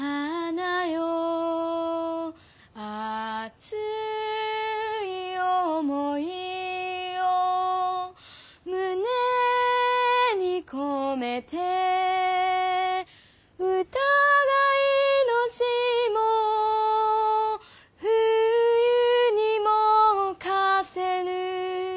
「熱い思ひを胸にこめて」「疑いの霜を冬にもおかせぬ」